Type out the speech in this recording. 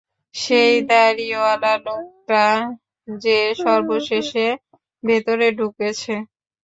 সেই দাড়িওয়ালা লোকটা যে সর্বশেষে ভেতরে ঢুকেছে।